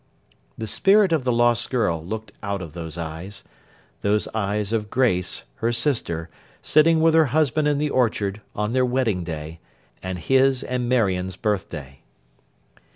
The spirit of the lost girl looked out of those eyes. Those eyes of Grace, her sister, sitting with her husband in the orchard, on their wedding day, and his and Marion's birth day.